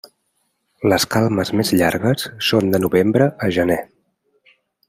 Les calmes més llargues són de novembre a gener.